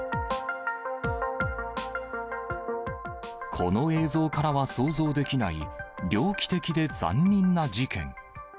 この映像からは想像できない、猟奇的で残忍な事件。